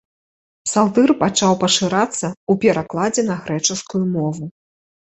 Псалтыр пачаў пашырацца ў перакладзе на грэчаскую мову.